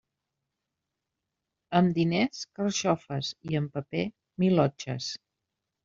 Amb diners, carxofes, i amb paper, milotxes.